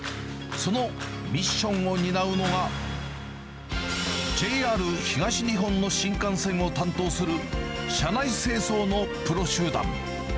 そのミッションを担うのが、ＪＲ東日本の新幹線を担当する、車内清掃のプロ集団。